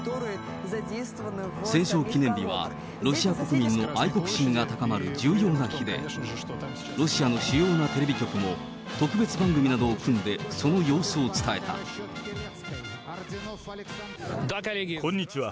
戦勝記念日は、ロシア国民の愛国心が高まる重要な日で、ロシアの主要なテレビ局も特別番組などを組んで、その様子を伝えこんにちは。